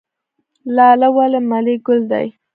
لاله ولې ملي ګل دی؟